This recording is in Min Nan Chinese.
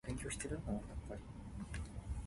節